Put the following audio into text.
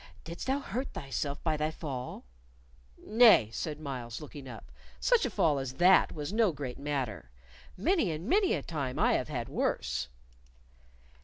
"Didst thou hurt thyself by thy fall?" "Nay," said Myles, looking up, "such a fall as that was no great matter. Many and many a time I have had worse."